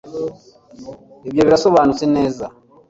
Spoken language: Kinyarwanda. ibyo birasobanutse neza